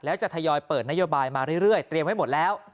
แล้วจะทยอยเปิดนโยบายมาเรื่อยเตรียมไว้หมดแล้ว